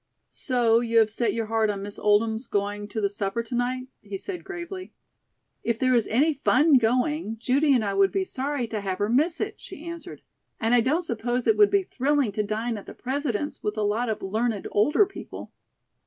"So you have set your heart on Miss Oldham's going to the supper to night?" he said gravely. "If there is any fun going, Judy and I would be sorry to have her miss it," she answered. "And I don't suppose it would be thrilling to dine at the President's with a lot of learned older people."